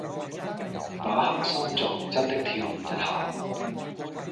那刻心臟真的跳了一下